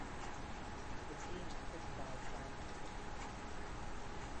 The scene was criticized scientifically.